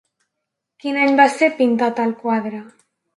Quin any va ser pintat el quadre?